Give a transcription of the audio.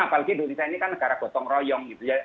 apalagi indonesia ini kan negara gotong royong gitu ya